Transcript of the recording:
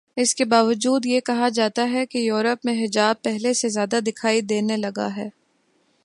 اس کے باوجود یہ کہا جاتاہے کہ یورپ میں حجاب پہلے سے زیادہ دکھائی دینے لگا ہے۔